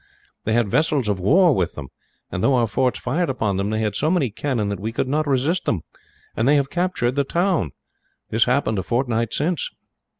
They had vessels of war with them and, though our forts fired upon them, they had so many cannon that we could not resist them, and they have captured the town. This happened a fortnight since."